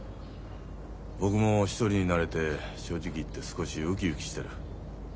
僕も一人になれて正直言って少しウキウキしてる。